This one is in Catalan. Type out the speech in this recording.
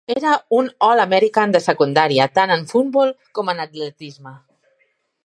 Era un All-American de secundària tant en futbol com en atletisme.